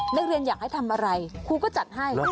นักเรียนอยากให้ทำอะไรครูก็จัดให้